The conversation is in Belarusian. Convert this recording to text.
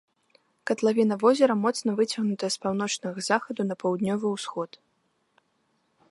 Катлавіна возера моцна выцягнутая з паўночнага захаду на паўднёвы ўсход.